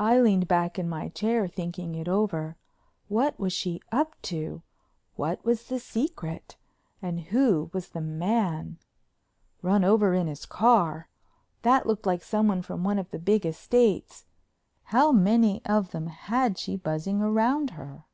I leaned back in my chair thinking it over. What was she up to? What was the secret? And who was the man? "Run over in his car"—that looked like someone from one of the big estates. How many of them had she buzzing round her?